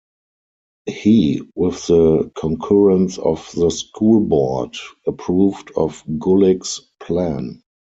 He, with the concurrence of the school board, approved of Gulick's plan.